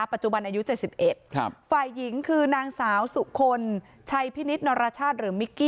ปัจจุบันอายุ๗๑ฝ่ายหญิงคือนางสาวสุคลชัยพินิษฐนรชาติหรือมิกกี้